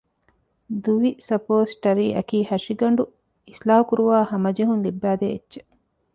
ދުވި ސަޕޯސްޓަރީއަކީ ހަށިގަނޑު އިޞްލާޙުކުރުވައި ހަމަޖެހުން ލިއްބައިދޭ އެއްޗެއް